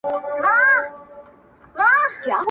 که غزلي د شېراز لال و مرجان دي,